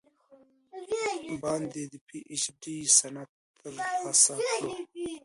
باندې د پې اي چ ډي سند تر السه کړو ۔